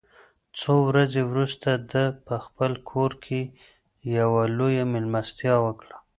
څو ورځې وروسته ده په خپل کور کې یوه لویه مېلمستیا وکړه.